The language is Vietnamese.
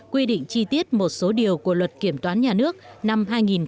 quy định chi tiết một số điều của luật kiểm toán nhà nước năm hai nghìn một mươi